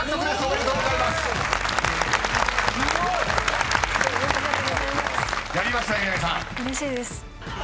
うれしいです。